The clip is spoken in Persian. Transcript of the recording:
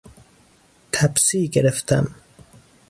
تپسی گرفتم.